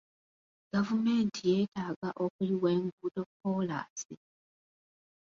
Gavumenti yeetaaga okuyiwa enguudo kkoolaasi.